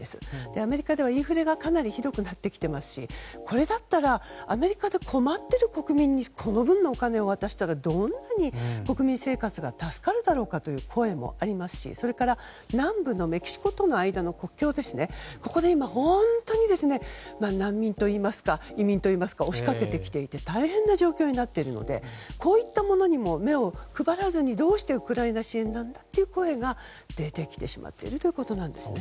アメリカではインフレがかなりひどくなってきていますしこれだったらアメリカで困っている国民にこの分のお金を渡したらどんなに国民生活が助かるだろうかという声もありますしそれから、南部のメキシコとの間の国境で今難民といいますか移民といいますか押しかけていまして大変な状況になっているのでこういったものにも目を配らずにどうしてウクライナ支援なの？という声が出てきてしまっているということなんですね。